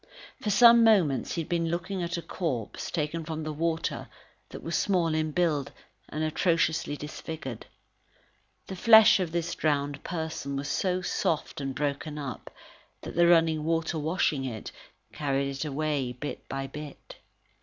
For some moments, he had been looking at a corpse, taken from the water, that was small in build and atrociously disfigured. The flesh of this drowned person was so soft and broken up that the running water washing it, carried it away bit by bit.